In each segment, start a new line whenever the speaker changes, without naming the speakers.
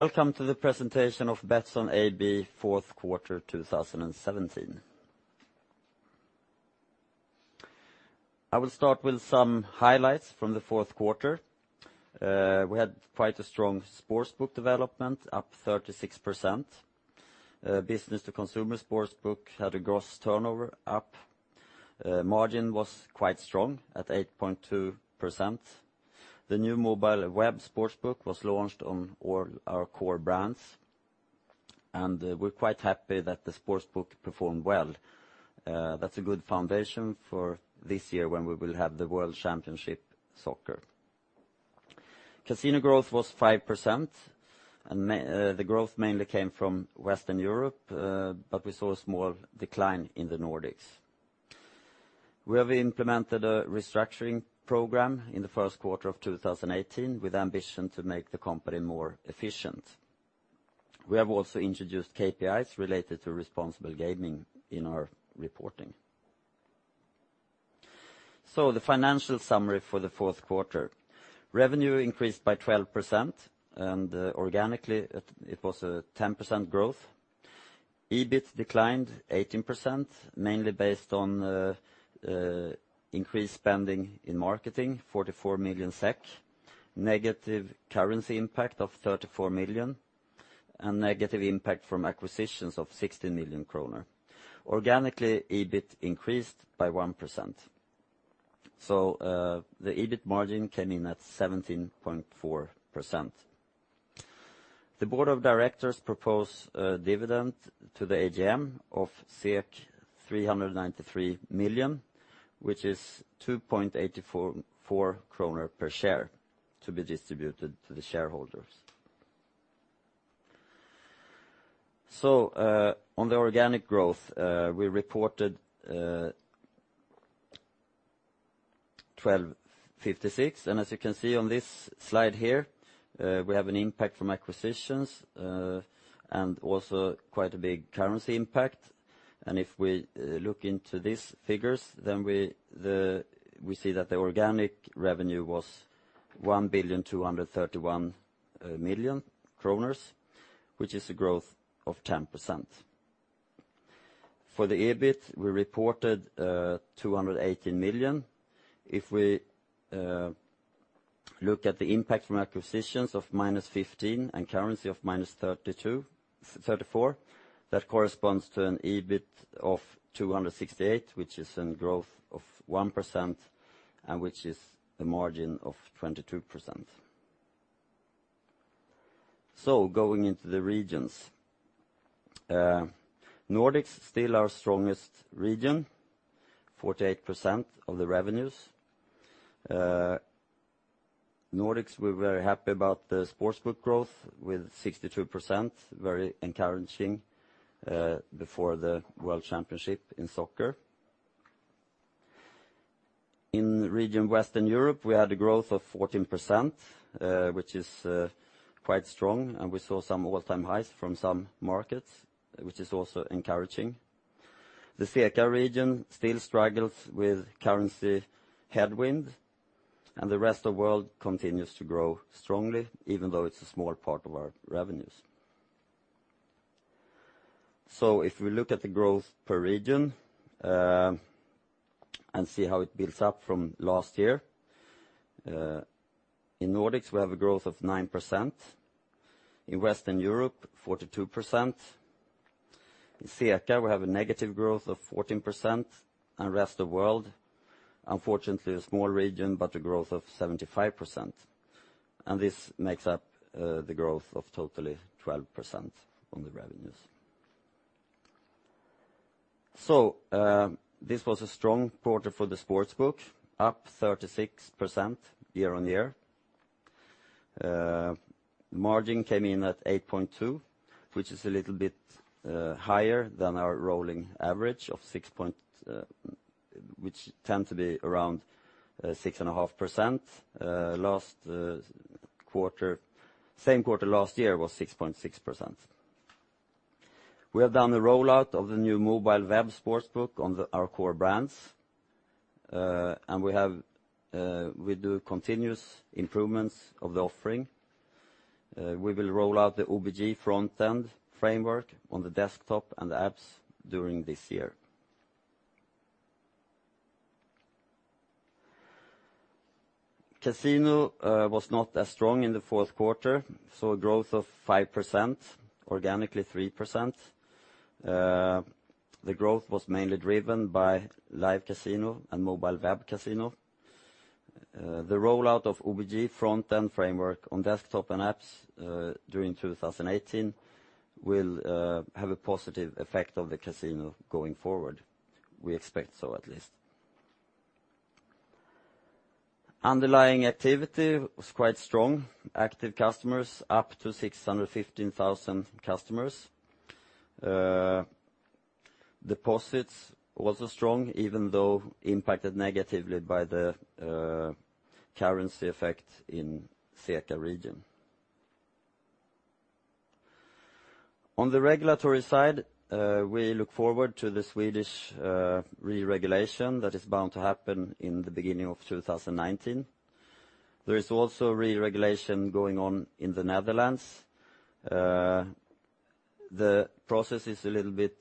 Welcome to the presentation of Betsson AB fourth quarter 2017. I will start with some highlights from the fourth quarter. We had quite a strong sportsbook development, up 36%. B2C sportsbook had a gross turnover up. Margin was quite strong at 8.2%. The new mobile web sportsbook was launched on all our core brands. We are quite happy that the sportsbook performed well. That is a good foundation for this year when we will have the World Cup soccer. Casino growth was 5%. The growth mainly came from Western Europe, but we saw a small decline in the Nordics. We have implemented a restructuring program in the first quarter of 2018 with ambition to make the company more efficient. We have also introduced KPIs related to responsible gaming in our reporting. The financial summary for the fourth quarter. Revenue increased by 12%. Organically it was a 10% growth. EBIT declined 18%, mainly based on increased spending in marketing, 44 million SEK, negative currency impact of 34 million, and negative impact from acquisitions of 16 million kronor. Organically, EBIT increased by 1%. The EBIT margin came in at 17.4%. The board of directors propose a dividend to the AGM of 393 million, which is 2.844 kronor per share to be distributed to the shareholders. On the organic growth, we reported 1,256 million. As you can see on this slide here, we have an impact from acquisitions, and also quite a big currency impact. If we look into these figures, then we see that the organic revenue was 1,231 million kronor, which is a growth of 10%. For the EBIT, we reported 218 million. If we look at the impact from acquisitions of -15 million and currency of -34 million, that corresponds to an EBIT of 268 million, which is in growth of 1% and which is a margin of 22%. Going into the regions. Nordics, still our strongest region, 48% of the revenues. Nordics, we are very happy about the sportsbook growth with 62%, very encouraging, before the World Cup in soccer. In region Western Europe, we had a growth of 14%, which is quite strong, and we saw some all-time highs from some markets, which is also encouraging. The CEECA region still struggles with currency headwind, and the rest of world continues to grow strongly, even though it is a small part of our revenues. If we look at the growth per region, and see how it builds up from last year. In Nordics, we have a growth of 9%, in Western Europe, 42%, in CEECA, we have a negative growth of 14%, and rest of world, unfortunately, a small region, but a growth of 75%. This makes up the growth of totally 12% on the revenues. This was a strong quarter for the sportsbook, up 36% year-over-year. Margin came in at 8.2%, which is a little bit higher than our rolling average which tend to be around 6.5%. Same quarter last year was 6.6%. We have done the rollout of the new mobile web sportsbook on our core brands. We do continuous improvements of the offering. We will roll out the OBG front-end framework on the desktop and the apps during this year. Casino growth was not as strong in the fourth quarter, a growth of 5%, organically 3%. The growth was mainly driven by live casino and mobile web casino. The rollout of OBG front end framework on desktop and apps, during 2018 will have a positive effect on the casino going forward. We expect so, at least. Underlying activity was quite strong. Active customers up to 615,000 customers. Deposits also strong, even though impacted negatively by the currency effect in CEECA region. On the regulatory side, we look forward to the Swedish re-regulation that is bound to happen in the beginning of 2019. There is also re-regulation going on in the Netherlands. The process is a little bit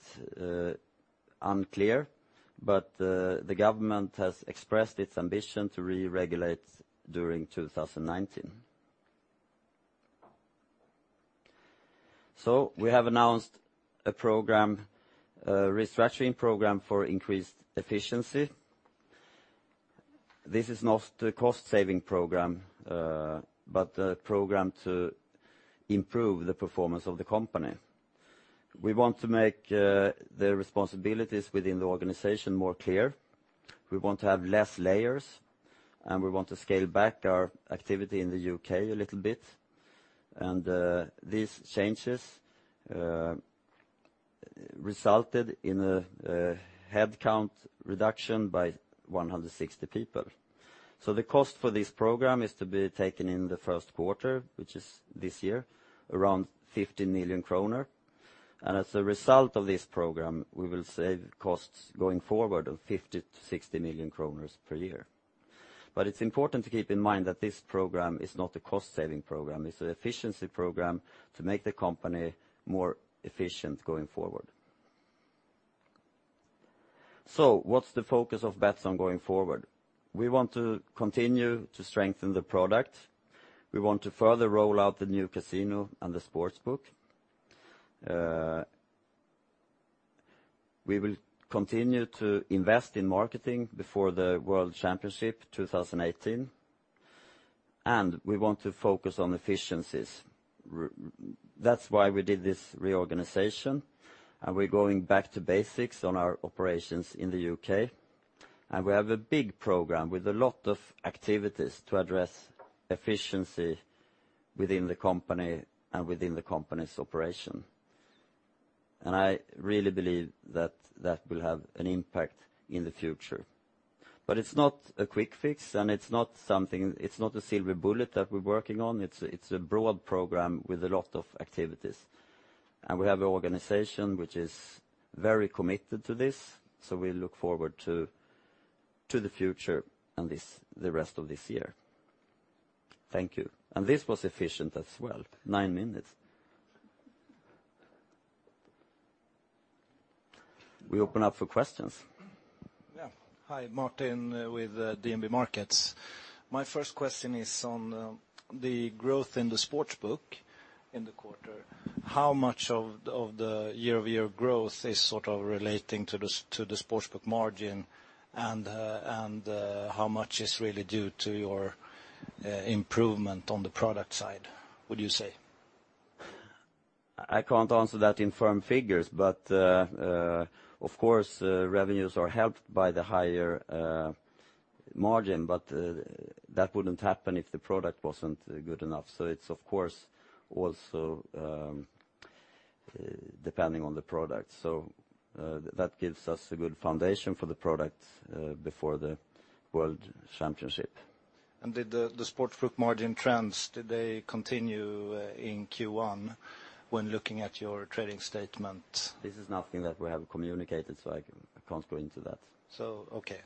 unclear, but the government has expressed its ambition to re-regulate during 2019. We have announced a restructuring program for increased efficiency. This is not a cost saving program, but a program to improve the performance of the company. We want to make the responsibilities within the organization more clear. We want to have less layers, and we want to scale back our activity in the U.K. a little bit. These changes resulted in a headcount reduction by 160 people. The cost for this program is to be taken in the first quarter, which is this year, around 50 million kronor. As a result of this program, we will save costs going forward of 50 million-60 million kronor per year. It's important to keep in mind that this program is not a cost saving program. It's an efficiency program to make the company more efficient going forward. What's the focus of Betsson going forward? We want to continue to strengthen the product. We want to further roll out the new casino and the sportsbook. We will continue to invest in marketing before the World Cup 2018, and we want to focus on efficiencies. That's why we did this reorganization, and we're going back to basics on our operations in the U.K. We have a big program with a lot of activities to address efficiency within the company and within the company's operation. I really believe that will have an impact in the future. It's not a quick fix, and it's not a silver bullet that we're working on. It's a broad program with a lot of activities, and we have an organization which is very committed to this. We look forward to the future and the rest of this year. Thank you. This was efficient as well, nine minutes. We open up for questions.
Yeah. Hi, Martin, with DNB Markets. My first question is on the growth in the sportsbook in the quarter. How much of the year-over-year growth is relating to the sportsbook margin, and how much is really due to your improvement on the product side, would you say?
I can't answer that in firm figures, but of course, revenues are helped by the higher margin. That wouldn't happen if the product wasn't good enough. It's, of course, also depending on the product. That gives us a good foundation for the product before the World Cup.
Did the sportsbook margin trends, did they continue in Q1 when looking at your trading statement?
This is nothing that we have communicated, so I can't go into that.
Okay.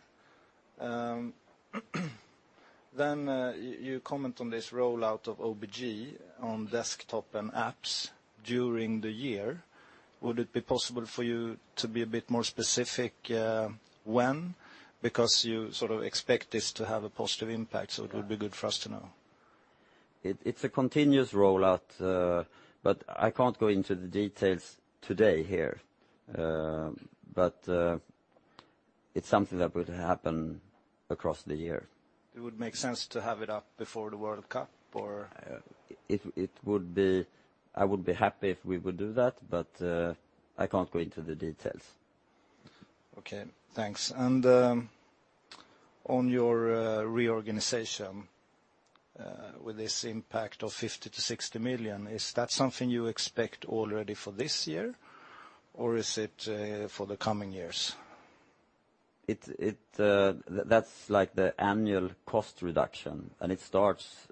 You comment on this rollout of OBG on desktop and apps during the year. Would it be possible for you to be a bit more specific when? You expect this to have a positive impact, so it would be good for us to know.
It's a continuous rollout. I can't go into the details today here. It's something that will happen across the year.
It would make sense to have it up before the World Cup, or?
I would be happy if we would do that. I can't go into the details.
Okay, thanks. On your reorganization with this impact of 50 million-60 million, is that something you expect already for this year, or is it for the coming years?
That's like the annual cost reduction. It starts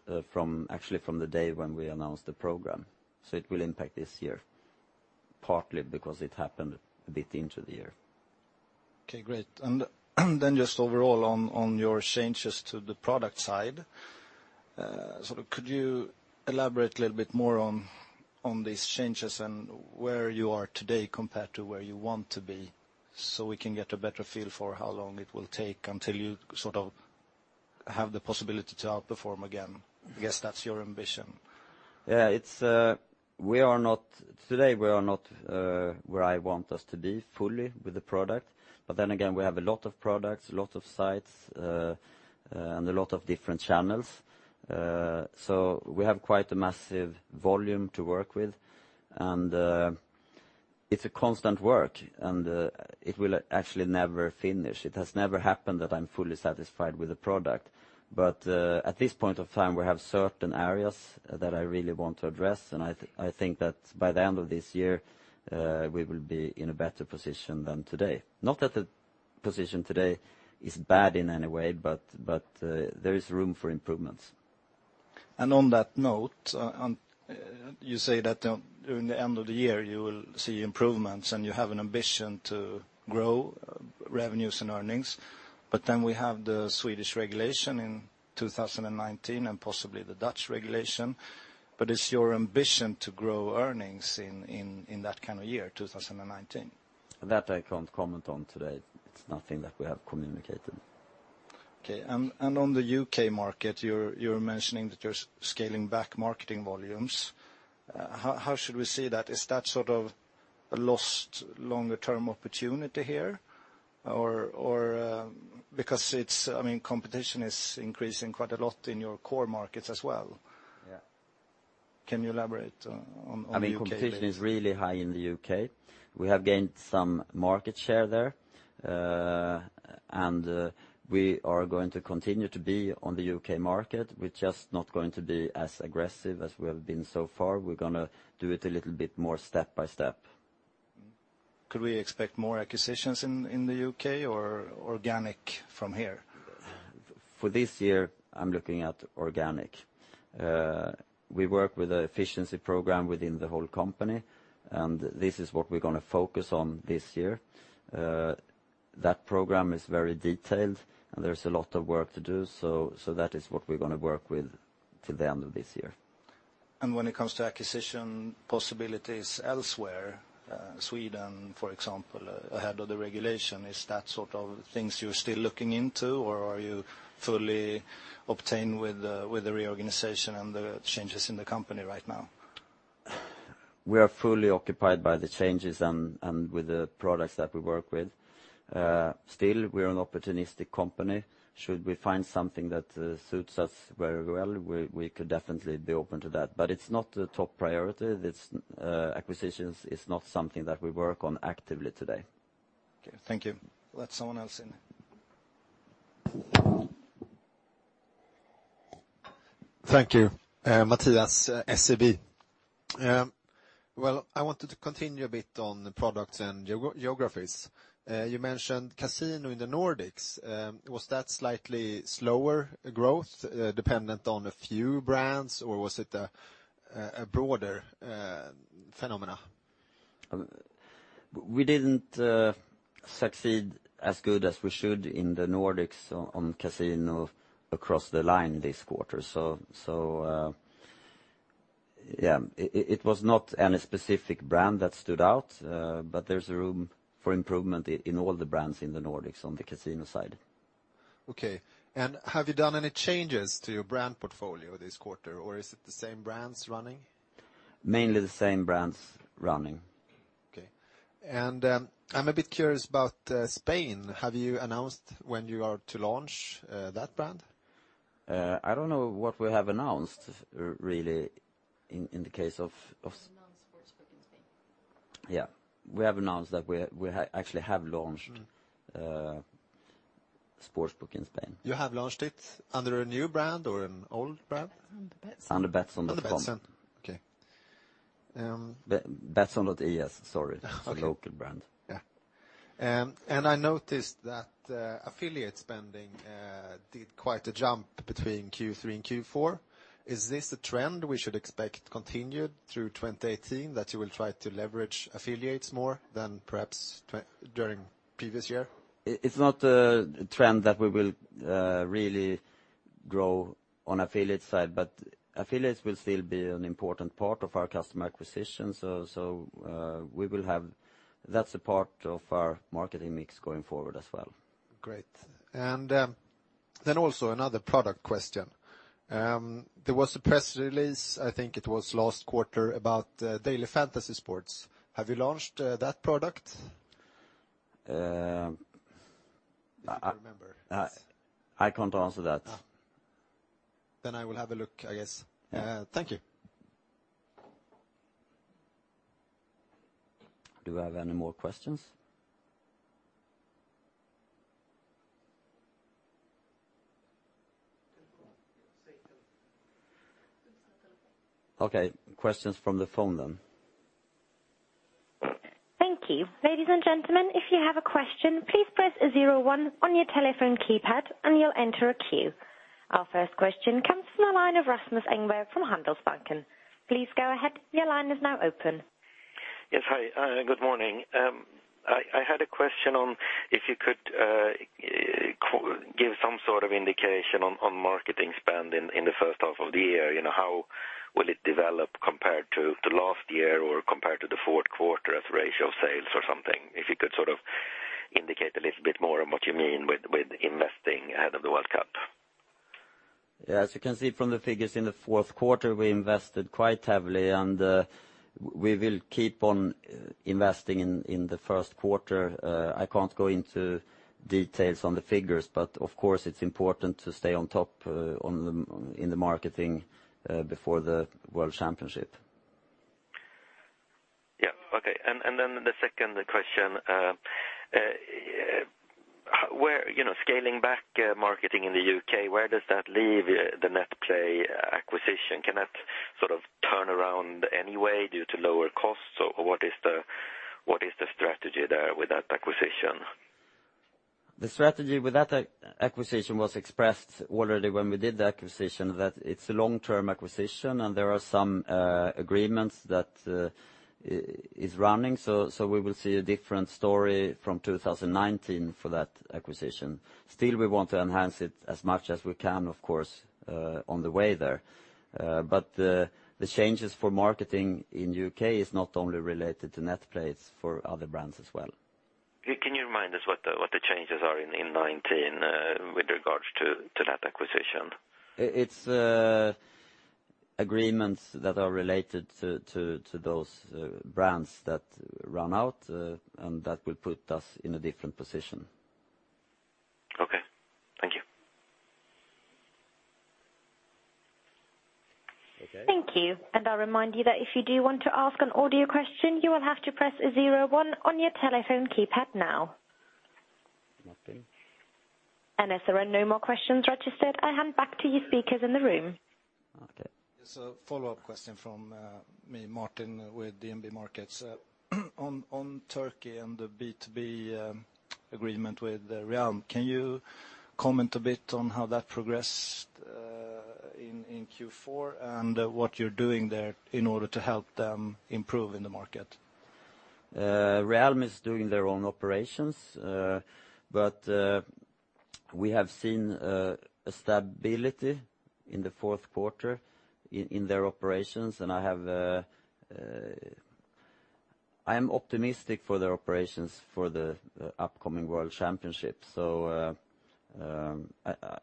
actually from the day when we announced the program. It will impact this year partly because it happened a bit into the year.
Okay, great. Just overall on your changes to the product side, could you elaborate a little bit more on these changes and where you are today compared to where you want to be so we can get a better feel for how long it will take until you have the possibility to outperform again? I guess that's your ambition.
Yeah. Today we are not where I want us to be fully with the product. Then again, we have a lot of products, a lot of sites, and a lot of different channels. We have quite a massive volume to work with. It's a constant work. It will actually never finish. It has never happened that I'm fully satisfied with a product. At this point of time, we have certain areas that I really want to address. I think that by the end of this year, we will be in a better position than today. Not that the position today is bad in any way, there is room for improvements.
On that note, you say that during the end of the year you will see improvements. You have an ambition to grow revenues and earnings. Then we have the Swedish regulation in 2019 and possibly the Dutch regulation. It's your ambition to grow earnings in that kind of year, 2019?
That I can't comment on today. It's nothing that we have communicated.
Okay. On the U.K. market, you're mentioning that you're scaling back marketing volumes. How should we see that? Is that a lost longer-term opportunity here? Competition is increasing quite a lot in your core markets as well.
Yeah.
Can you elaborate on the U.K. please?
Competition is really high in the U.K. We have gained some market share there. We are going to continue to be on the U.K. market. We're just not going to be as aggressive as we have been so far. We're going to do it a little bit more step by step.
Could we expect more acquisitions in the U.K. or organic from here?
For this year, I'm looking at organic. We work with an efficiency program within the whole company. This is what we're going to focus on this year. That program is very detailed, and there's a lot of work to do. That is what we're going to work with till the end of this year.
When it comes to acquisition possibilities elsewhere, Sweden, for example, ahead of the regulation, is that sort of things you're still looking into, or are you fully occupied with the reorganization and the changes in the company right now?
We are fully occupied by the changes and with the products that we work with. Still, we're an opportunistic company. Should we find something that suits us very well, we could definitely be open to that. It's not a top priority. Acquisitions is not something that we work on actively today.
Okay. Thank you. Let someone else in.
Thank you. Matias, SEB. Well, I wanted to continue a bit on the products and geographies. You mentioned casino in the Nordics. Was that slightly slower growth dependent on a few brands, or was it a broader phenomena?
We didn't succeed as good as we should in the Nordics on casino across the line this quarter. Yeah, it was not any specific brand that stood out, but there's room for improvement in all the brands in the Nordics on the casino side.
Okay. Have you done any changes to your brand portfolio this quarter, or is it the same brands running?
Mainly the same brands running.
Okay. I'm a bit curious about Spain. Have you announced when you are to launch that brand?
I don't know what we have announced, really, in the case of. We announced sportsbook in Spain. Yeah. We have announced that we actually have launched Sportsbook in Spain.
You have launched it under a new brand or an old brand?
Under Betsson. Under betsson.com.
Under Betsson. Okay.
Betsson.es, sorry.
Okay.
It's a local brand.
Yeah. I noticed that affiliate spending did quite a jump between Q3 and Q4. Is this a trend we should expect continued through 2018, that you will try to leverage affiliates more than perhaps during previous year?
It's not a trend that we will really grow on affiliate side, but affiliates will still be an important part of our customer acquisition. That's a part of our marketing mix going forward as well.
Great. Then also another product question. There was a press release, I think it was last quarter, about daily fantasy sports. Have you launched that product?
I-
If you remember.
I can't answer that.
I will have a look, I guess.
Yeah.
Thank you.
Do we have any more questions? Do you want to say telephone? Okay, questions from the phone then.
Thank you. Ladies and gentlemen, if you have a question, please press 01 on your telephone keypad and you'll enter a queue. Our first question comes from the line of Rasmus Engberg from Handelsbanken. Please go ahead, your line is now open.
Yes, hi. Good morning. I had a question on if you could give some sort of indication on marketing spend in the first half of the year. How will it develop compared to last year or compared to the fourth quarter as ratio of sales or something? If you could sort of indicate a little bit more on what you mean with investing ahead of the World Cup.
Yeah. As you can see from the figures in the fourth quarter, we invested quite heavily, and we will keep on investing in the first quarter. I can't go into details on the figures, but of course it's important to stay on top in the marketing before the World Cup.
Yeah. Okay. The second question. Scaling back marketing in the U.K., where does that leave the Netplay acquisition? Can that sort of turn around anyway due to lower costs? What is the strategy there with that acquisition?
The strategy with that acquisition was expressed already when we did the acquisition, that it's a long-term acquisition, and there are some agreements that is running. We will see a different story from 2019 for that acquisition. Still, we want to enhance it as much as we can, of course, on the way there. The changes for marketing in the U.K. is not only related to Netplay, it's for other brands as well. Can you remind us what the changes are in 2019 with regards to that acquisition? It's agreements that are related to those brands that run out, and that will put us in a different position. Okay. Thank you. Okay.
Thank you. I remind you that if you do want to ask an audio question, you will have to press 01 on your telephone keypad now.
Nothing.
As there are no more questions registered, I hand back to you speakers in the room.
Okay.
It's a follow-up question from me, Martin, with DNB Markets. On Turkey and the B2B agreement with Realm, can you comment a bit on how that progressed, in Q4 and what you're doing there in order to help them improve in the market?
Realm is doing their own operations. We have seen a stability in the fourth quarter in their operations, I am optimistic for their operations for the upcoming world championship.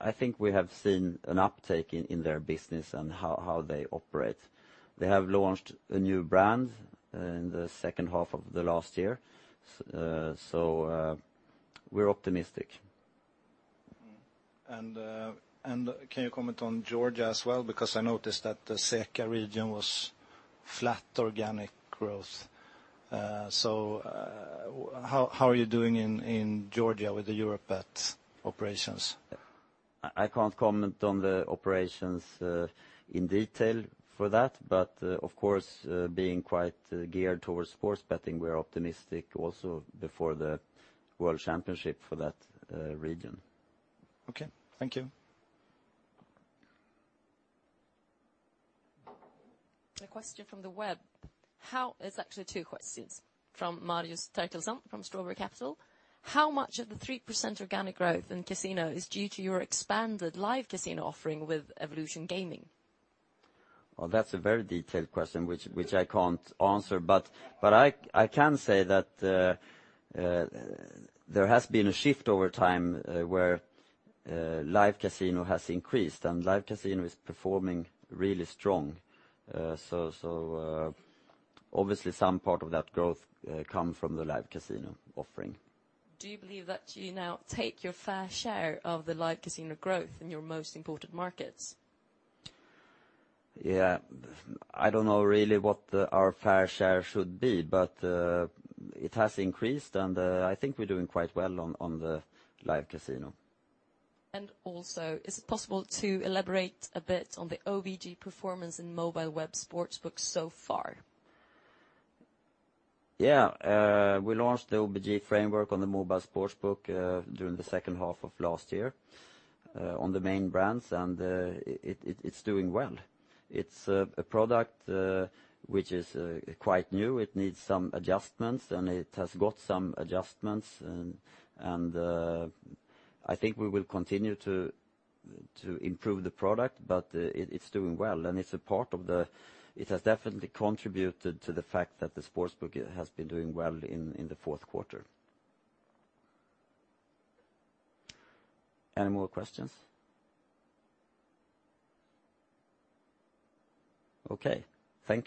I think we have seen an uptake in their business and how they operate. They have launched a new brand in the second half of the last year. We're optimistic.
Can you comment on Georgia as well? Because I noticed that the CEECA region was flat organic growth. How are you doing in Georgia with the Europe-Bet operations?
I can't comment on the operations in detail for that. Of course, being quite geared towards sports betting, we're optimistic also before the world championship for that region.
Okay. Thank you.
A question from the web. It's actually two questions from Marius Teikelson from Strawberry Capital. How much of the 3% organic growth in live casino is due to your expanded live casino offering with Evolution Gaming? Well, that's a very detailed question, which I can't answer, but I can say that there has been a shift over time where live casino has increased, and live casino is performing really strong. Obviously, some part of that growth come from the live casino offering. Do you believe that you now take your fair share of the live casino growth in your most important markets? I don't know really what our fair share should be, but it has increased, and I think we're doing quite well on the live casino. Is it possible to elaborate a bit on the OBG performance in mobile web sportsbook so far? We launched the OBG framework on the mobile sportsbook during the second half of last year on the main brands, and it's doing well. It's a product which is quite new. It needs some adjustments, and it has got some adjustments, and I think we will continue to improve the product, but it's doing well. It has definitely contributed to the fact that the sportsbook has been doing well in the fourth quarter. Any more questions? Okay. Thank you